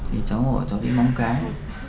thì cháu hỏi cháu đi mong cái